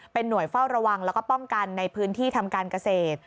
หน่วยเฝ้าระวังแล้วก็ป้องกันในพื้นที่ทำการเกษตร